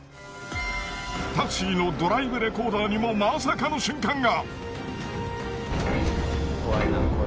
タクシーのドライブレコーダーにもまさかの瞬間が！